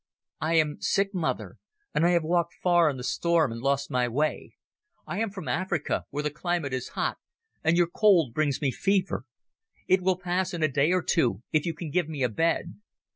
"I am sick, mother, and I have walked far in the storm and lost my way. I am from Africa, where the climate is hot, and your cold brings me fever. It will pass in a day or two if you can give me a bed."